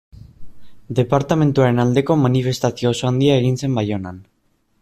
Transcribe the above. Departamenduaren aldeko manifestazio oso handia egin zen Baionan.